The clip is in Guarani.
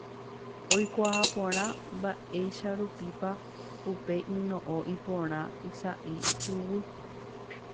Oikuaa porã mba'eicharupípa upe yno'õ ipóra ha isa'y huguy.